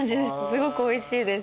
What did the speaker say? すごくおいしいです。